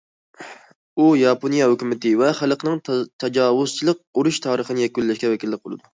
ئۇ ياپونىيە ھۆكۈمىتى ۋە خەلقىنىڭ تاجاۋۇزچىلىق ئۇرۇش تارىخىنى يەكۈنلەشكە ۋەكىللىك قىلىدۇ.